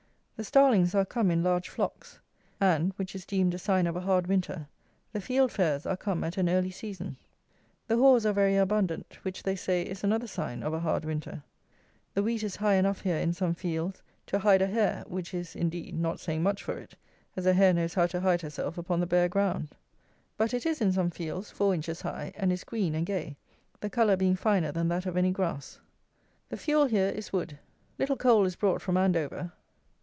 The Starlings are come in large flocks; and, which is deemed a sign of a hard winter, the Fieldfares are come at an early season. The haws are very abundant; which, they say, is another sign of a hard winter. The wheat is high enough here, in some fields, "to hide a hare," which is, indeed, not saying much for it, as a hare knows how to hide herself upon the bare ground. But it is, in some fields, four inches high, and is green and gay, the colour being finer than that of any grass. The fuel here is wood. Little coal is brought from Andover.